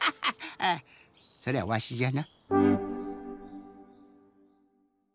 あそれはわしじゃな。